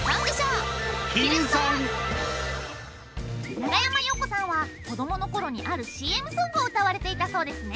長山洋子さんは子どものころにあるＣＭソングを歌われていたそうですね。